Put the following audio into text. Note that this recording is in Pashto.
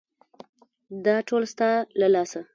_دا ټول ستا له لاسه.